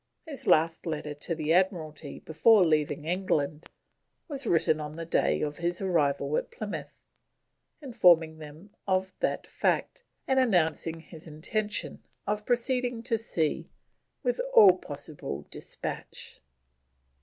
His last letter to the Admiralty, before leaving England, was written on the day of his arrival at Plymouth, informing them of that fact, and announcing his intention of proceeding to sea with all possible despatch.